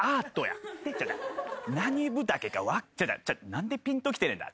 何でぴんときてねえんだ。